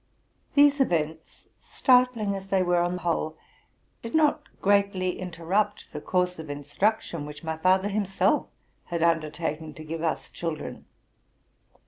27 These events, startling as they were on the whole, did not greatly interrupt the course of instruction which my father himself had undertaken to give us children.